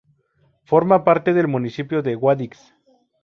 Forma parte del municipio de Guadix.